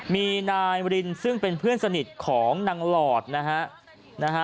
มีนายมรินซึ่งเป็นเพื่อนสนิทของนางหลอดนะฮะ